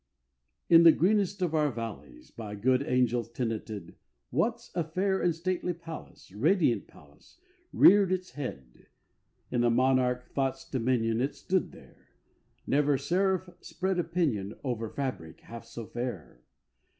In the greenest of our valleys By good angels tenanted, Once a fair and stately palace Radiant palace reared its head. In the monarch Thought's dominion It stood there! Never seraph spread a pinion Over fabric half so fair!